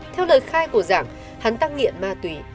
theo lời khai của giảng hắn tăng nghiện ma túy